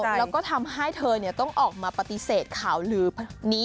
แล้วก็ทำให้เธอต้องออกมาปฏิเสธข่าวลือนี้